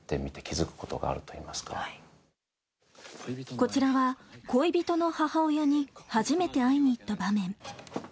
こちらは恋人の母親に初めて会いに行った場面。